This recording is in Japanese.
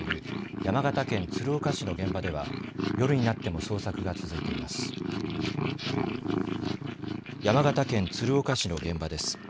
山形県鶴岡市の現場です。